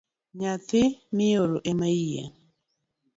Nyathi maioro emayieng’